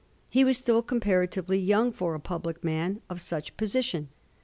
He was still comparatively young for a public man of such position.